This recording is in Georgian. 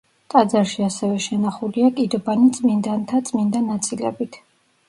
ტაძარში ასევე შენახულია კიდობანი წმინდანთა წმინდა ნაწილებით.